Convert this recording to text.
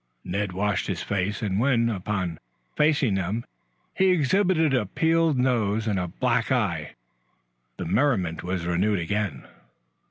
Ned washed his face, and when, upon facing them, he exhibited a peeled nose and a black eye, the merriment was renewed again.